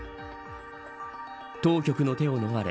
当局の手を逃れ